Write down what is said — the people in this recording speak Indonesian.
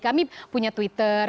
kami punya twitter